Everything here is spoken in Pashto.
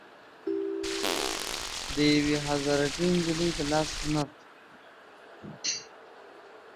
او د يوې هزاره ګۍ نجلۍ د لاس هنر